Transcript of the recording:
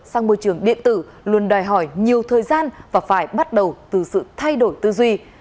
sang môi trường điện tử luôn đòi hỏi nhiều thời gian và phải bắt đầu từ sự thay đổi tư duy